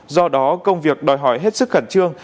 do đó công việc đòi hỏi hết sức khẩn trương